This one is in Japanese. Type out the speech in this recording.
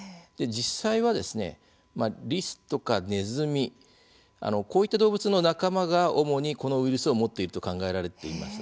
実際は、リスとかネズミこういった動物の仲間が主にこのウイルスを持っていると考えられています。